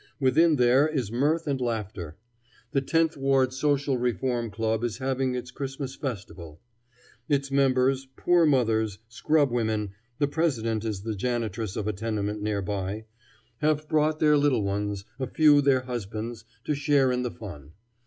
Within there is mirth and laughter. The Tenth Ward Social Reform Club is having its Christmas festival. Its members, poor mothers, scrubwomen, the president is the janitress of a tenement near by, have brought their little ones, a few their husbands, to share in the fun.